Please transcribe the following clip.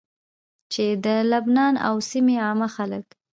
چې د لبنان او سيمي عامه خلک